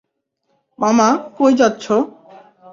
মামা, কই যাচ্ছ?